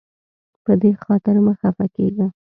په دې خاطر مه خفه کیږه.